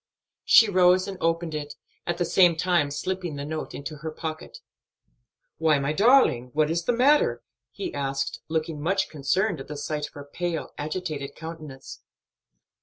She rose and opened it, at the same time slipping the note into her pocket. "Why, my darling, what is the matter?" he asked, looking much concerned at the sight of her pale, agitated countenance.